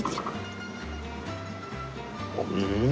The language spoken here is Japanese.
うん！